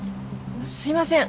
すいません。